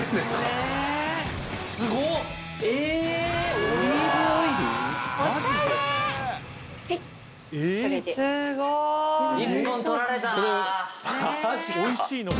すごい！